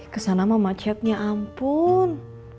kesana ma macetnya ampun